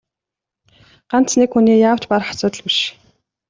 Ганц нэг хүний яавч барах асуудал биш.